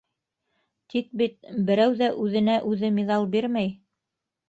- Тик бит... берәү ҙә үҙенә-үҙе миҙал бирмәй.